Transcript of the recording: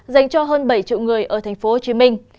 dành cho hơn bảy triệu người ở tp hồ chí minh